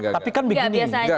tapi kan begini